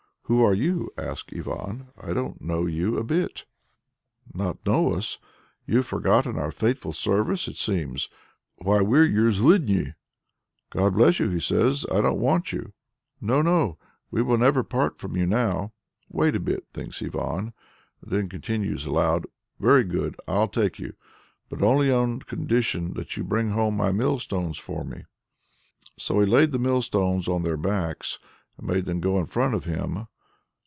"Who are you?" asks Ivan. "I don't know you a bit." "Not know us! you've forgotten our faithful service, it seems! Why, we're your Zluidni!" "God be with you!" says he. "I don't want you!" "No, no! we will never part from you now!" "Wait a bit!" thinks Ivan, and then continues aloud, "Very good, I'll take you; but only on condition that you bring home my mill stones for me." So he laid the mill stones on their backs, and made them go on in front of him.